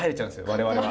我々は。